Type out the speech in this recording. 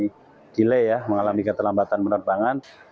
mengalami delay ya mengalami keterlambatan penerbangan